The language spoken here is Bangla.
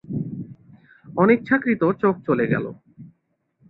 অনিচ্ছাকৃত চোখ চলে গেল।